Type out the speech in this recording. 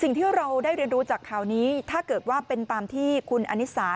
สิ่งที่เราได้เรียนรู้จากข่าวนี้ถ้าเกิดว่าเป็นตามที่คุณอนิสา